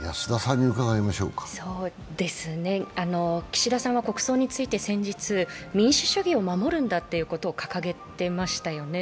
岸田さんは国葬について先日、民主主義を守るんだということを掲げていましたよね。